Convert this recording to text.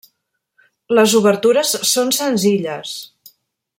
Les obertures són senzilles.